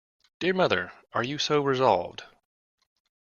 Dear mother, are you so resolved?